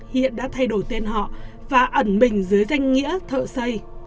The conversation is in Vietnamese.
hiện đã thay đổi tên họ và ẩn mình dưới danh nghĩa thợ xây